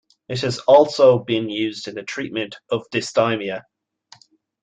It has also been used in the treatment of dysthymia.